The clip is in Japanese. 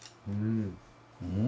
うん！